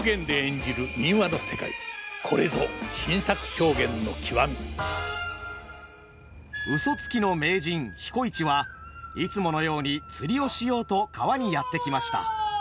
再演を重ねていまやうそつきの名人彦市はいつものように釣りをしようと川にやって来ました。